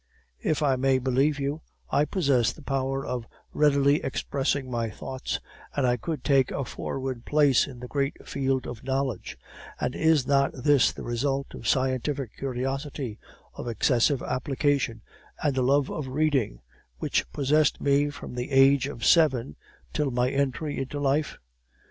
If I may believe you, I possess the power of readily expressing my thoughts, and I could take a forward place in the great field of knowledge; and is not this the result of scientific curiosity, of excessive application, and a love of reading which possessed me from the age of seven till my entry on life?